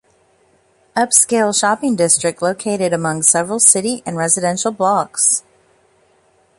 Upscale shopping district located among several city and residential blocks.